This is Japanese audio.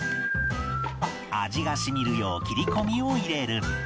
味が染みるよう切り込みを入れる